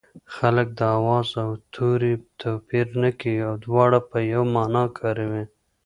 خلک د آواز او توري توپیر نه کوي او دواړه په یوه مانا کاروي